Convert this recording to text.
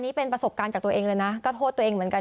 นี่เป็นประสบการณ์จากตัวเองเลยนะก็โทษตัวเองเหมือนกัน